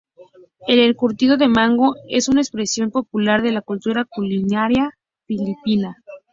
El encurtido de mango es una expresión popular de la cultura culinaria filipina.